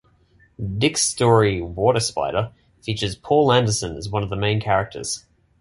Dick's story "Waterspider" features Poul Anderson as one of the main characters.